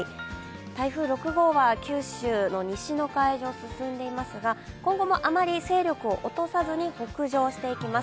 台風６号は九州の西の海上進んでいますが今後もあまり勢力を落とさずに北上していきます。